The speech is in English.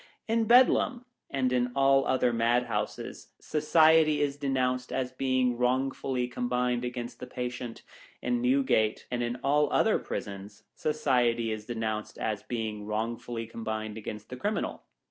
In Bedlam, and in all other madhouses, Society is denounced as being wrongfully com bined against the patient. In Newgate, and in all other prisons, Society is denounced as being wrongfully combined against the cri minal.